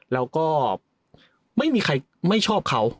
แล้วก็ไม่มีใครไม่ชอบเขา